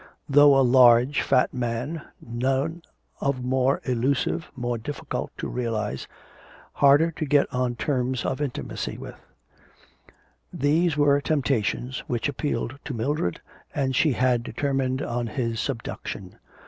Though a large, fat man, none was more illusive, more difficult to realise, harder to get on terms of intimacy with. These were temptations which appealed to Mildred and she had determined on his subduction.